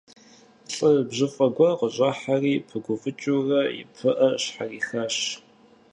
ЛӀы бжьыфӀэ гуэр къыщӀыхьэри, пыгуфӀыкӀыурэ и пыӀэр щхьэрихащ.